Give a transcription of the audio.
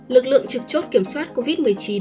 lực lượng trực chốt kiểm soát covid một mươi chín